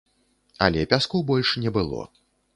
Але пяску больш не было.